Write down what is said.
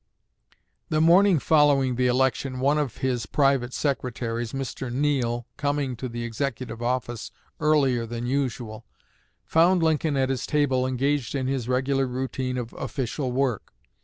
The morning following the election one of his private secretaries, Mr. Neill, coming to the Executive office earlier than usual, found Lincoln at his table engaged in his regular routine of official work.